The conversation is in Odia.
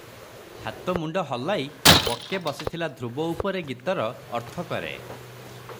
ହାତ ମୁଣ୍ଡ ହଲାଇ 'ବକେ ବସିଥିଲା ଧ୍ରୁବ ଉପରେ' ଗୀତର ଅର୍ଥ କରେ ।